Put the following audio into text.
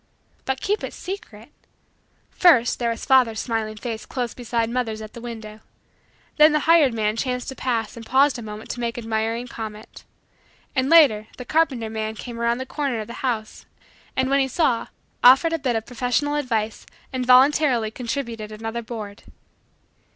But keep it secret! First there was father's smiling face close beside mother's at the window. Then the hired man chanced to pass and paused a moment to make admiring comment. And, later, the carpenter man came around the corner of the house and, when he saw, offered a bit of professional advice and voluntarily contributed another board.